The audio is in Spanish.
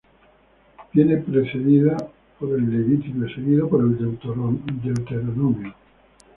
Viene precedido por el Levítico y seguido por el Deuteronomio.